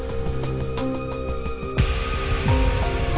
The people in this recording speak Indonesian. apa ini penjaya nama tu